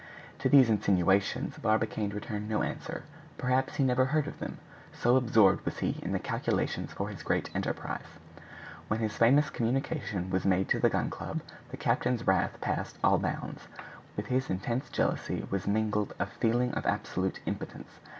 To these insinuations Barbicane returned no answer; perhaps he never heard of them, so absorbed was he in the calculations for his great enterprise. When his famous communication was made to the Gun Club, the captain's wrath passed all bounds; with his intense jealousy was mingled a feeling of absolute impotence.